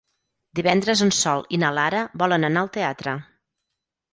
Divendres en Sol i na Lara volen anar al teatre.